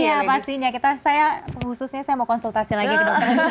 iya pastinya saya khususnya saya mau konsultasi lagi ke dokter